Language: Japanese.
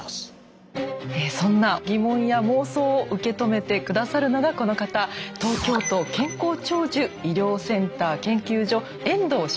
そんな疑問や妄想を受け止めて下さるのがこの方東京都健康長寿医療センター研究所遠藤昌吾さんです。